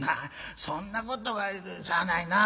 『そんなことはしゃあないなあ』